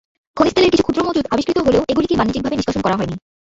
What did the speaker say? খনিজ তেলের কিছু ক্ষুদ্র মজুদ আবিষ্কৃত হলেও এগুলিকে বাণিজ্যিকভাবে নিষ্কাশন করা হয়নি।